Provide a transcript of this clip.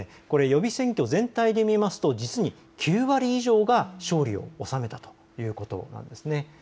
予備選挙全体で見ますと実に９割以上が勝利を収めたということなんです。